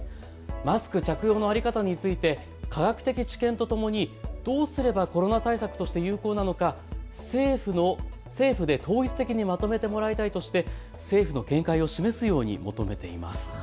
マスク着用の在り方について科学的知見とともにどうすればコロナ対策として有効なのか政府で統一的にまとめてもらいたいとして政府の見解を示すように求めています。